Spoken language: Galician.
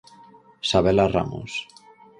Sabela Ramos.